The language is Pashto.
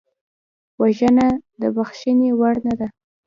وژنه د بښنې وړ نه ده